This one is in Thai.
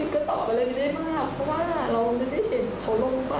เขาได้นั่งว่างไห้คิดถึงอะไรพื้นน้ะ